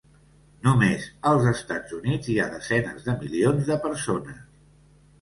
Només als Estats Units hi ha desenes de milions de persones.